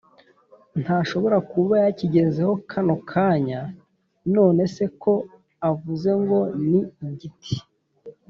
ntashobora kuba yakigezeho kano kanya.” “None se ko avuze ngo ni igiti